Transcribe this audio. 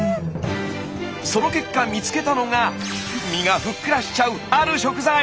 その結果見つけたのが身がふっくらしちゃうある食材！